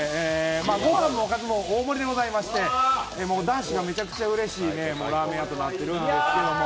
ごはんもおかずも大盛りでございまして、男子もめちゃくちゃうれしい、ラーメン屋となっているんですけれども。